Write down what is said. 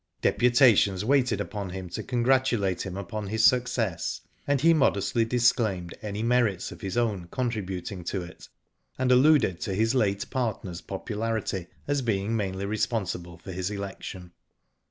Deputations waited upon him to congratulate him upon his success, and he modestly disclaimed any merits of his own contributing to it, and alluded to his late partner's popularity as being mainly respon sible for his election.